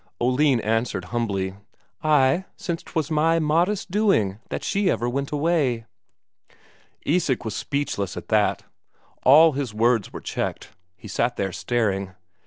Oline answered humbly: "Ay, since 'twas my modest doing that she ever went away." Isak was speechless at that; all his words were checked, he sat there staring.